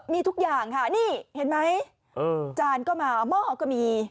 มีทุกอย่างค่ะนี่เห็นไหมจานก็มาหม้อก็มี